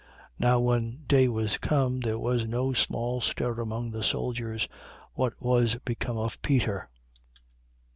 12:18. Now when day was come, there was no small stir among the soldiers, what was become of Peter.